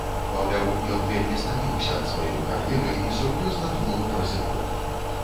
Маўляў, ён вельмі стаміўся ад сваёй кар'еры і сур'ёзна думаў пра сыход.